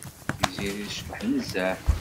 Tiziri tecbeḥ nezzeh.